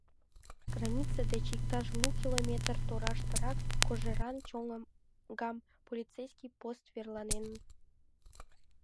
Граница деч иктаж лу километр тораштырак кожеран чоҥгаш полицейский пост верланен.